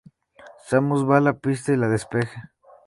Samus va a la pista y la despeja.